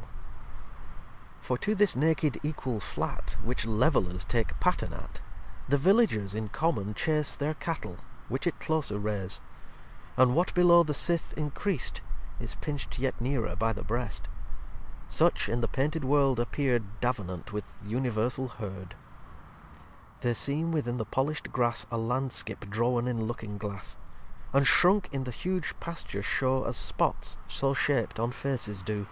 lvii For to this naked equal Flat, Which Levellers take Pattern at, The Villagers in common chase Their Cattle, which it closer rase; And what below the Sith increast Is pincht yet nearer by the Breast. Such, in the painted World, appear'd Davenant with th'Universal Heard. lviii They seem within the polisht Grass A landskip drawen in Looking Glass. And shrunk in the huge Pasture show As spots, so shap'd, on Faces do.